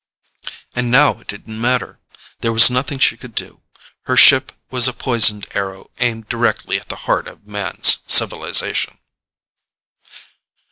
And now it didn't matter. There was nothing she could do. Her ship was a poisoned arrow aimed directly at the heart of man's civilization.